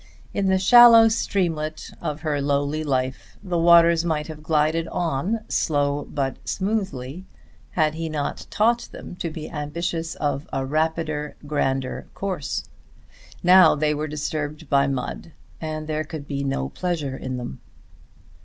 In the shallow streamlet of her lowly life the waters might have glided on, slow but smoothly, had he not taught them to be ambitious of a rapider, grander course. Now they were disturbed by mud, and there could be no pleasure in them.